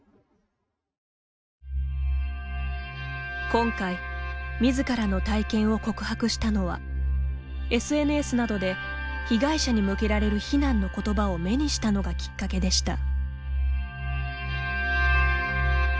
今回、自らの体験を告白したのはＳＮＳなどで被害者に向けられる非難の言葉を目にしたのがきっかけでした。